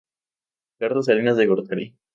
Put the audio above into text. Carlos Salinas de Gortari.